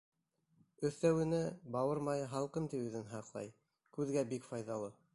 Өҫтәүенә, бауыр майы һалҡын тейеүҙән һаҡлай, күҙгә бик файҙалы.